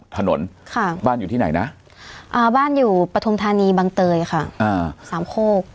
ถนนบ้านอยู่ที่ไหนนะบ้านอยู่ปฐมธานีบังเตยค่ะสามโคก